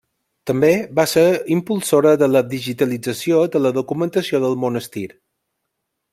També va ser impulsora de la digitalització de la documentació del monestir.